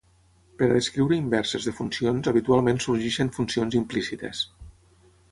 Per a descriure inverses de funcions habitualment sorgeixen funcions implícites.